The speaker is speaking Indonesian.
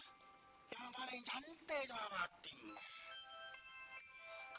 nah kalau cantik